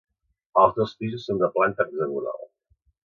Els dos pisos són de planta hexagonal